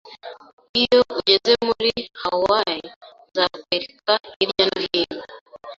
Iyo ugeze muri Hawaii, nzakwereka hirya no hino